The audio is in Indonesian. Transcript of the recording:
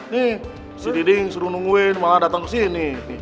nih si diding suruh nungguin malah datang kesini